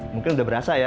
mungkin udah berasa ya